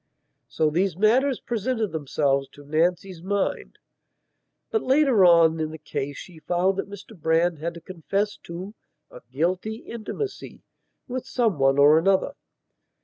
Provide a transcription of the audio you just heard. So these matters presented themselves to Nancy's mind. But later on in the case she found that Mr Brand had to confess to a "guilty intimacy" with some one or other.